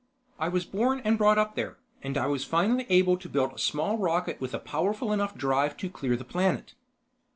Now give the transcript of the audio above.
I was born and brought up there, and I was finally able to build a small rocket with a powerful enough drive to clear the planet."